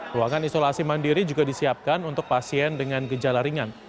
ruangan isolasi mandiri juga disiapkan untuk pasien dengan gejala ringan